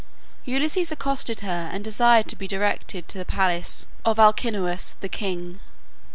Ulysses accosted her and desired to be directed to the palace of Alcinous the king.